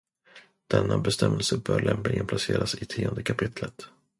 Denna bestämmelse bör lämpligen placeras i tionde kapitlet.